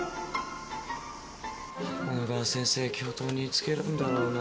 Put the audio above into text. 小野川先生教頭に言いつけるんだろうな。